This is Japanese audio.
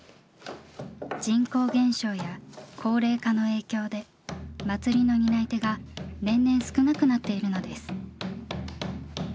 人口減少や高齢化の影響で祭りの担い手が年々少なくなっているのです。